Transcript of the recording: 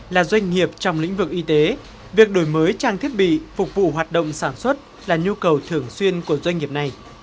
là doanh nghiệp trong lĩnh vực y tế việc đổi mới trang thiết bị phục vụ hoạt động sản xuất là nhu cầu thường xuyên của doanh nghiệp này